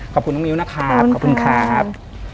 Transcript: ขอบคุณน้องมิ้วนะครับขอบคุณครับ